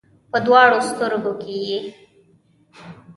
په دواړو سترګو کې یې